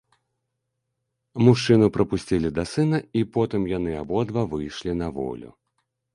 Мужчыну прапусцілі да сына, і потым яны абодва выйшлі на волю.